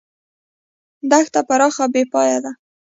دښته پراخه او بې پایه ده.